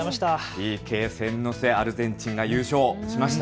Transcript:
ＰＫ戦の末、アルゼンチンが優勝しました。